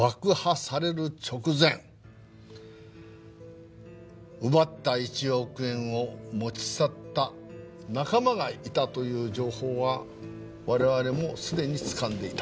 直前奪った１億円を持ち去った仲間がいたという情報は我々もすでに掴んでいた。